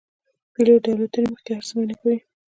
پیلوټ د الوتنې مخکې هر څه معاینه کوي.